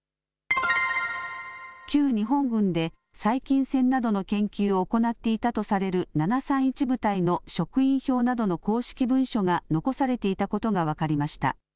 旧日本軍で細菌戦などの研究を行っていたとされる７３１部隊の職員表などの公式文書が残されていたことが分かりました。